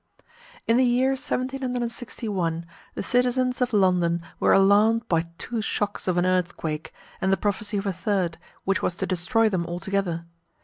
In the year 1761 the citizens of London were alarmed by two shocks of an earthquake, and the prophecy of a third, which was to destroy them altogether.